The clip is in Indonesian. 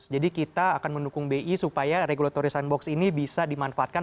jadi kita akan mendukung bi supaya regulatory sandbox ini bisa dimanfaatkan